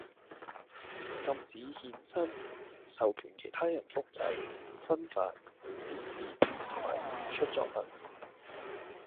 禁止衍生，授權其他人複製，分發，展示同埋演出作品